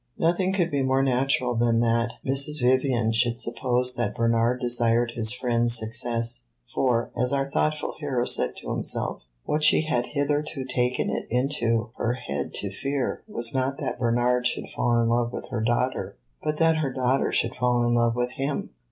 Nothing could be more natural than that Mrs. Vivian should suppose that Bernard desired his friend's success; for, as our thoughtful hero said to himself, what she had hitherto taken it into her head to fear was not that Bernard should fall in love with her daughter, but that her daughter should fall in love with him.